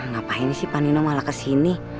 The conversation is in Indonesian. ngapain sih panino malah kesini